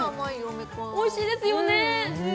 みかんおいしいですよね